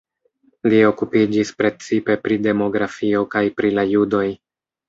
Li okupiĝis precipe pri demografio kaj pri la judoj.